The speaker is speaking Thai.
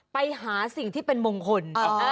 ไปหาสิ่งที่เป็นมงคล